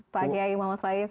pak kiai muhammad faiz